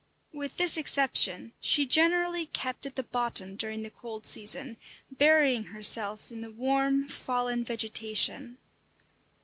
With this exception she generally kept at the bottom during the cold season, burying herself in the warm, fallen vegetation.